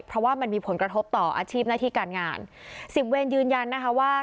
เพราะว่ามันมีผลกระทบต่ออาชีพหน้าที่การงานสิบเวรยืนยันนะคะว่า